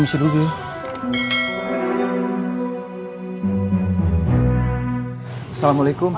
iya insyaallah pak ya insyaallah pak ya insyaallah pak ya insyaallah pak